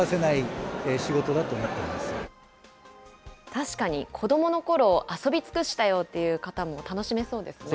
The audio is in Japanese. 確かに、子どものころ遊び尽くしたよという方も楽しめそうですね。